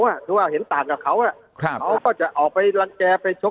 คือว่าเห็นต่างกับเขาเขาก็จะออกไปรังแก่ไปชก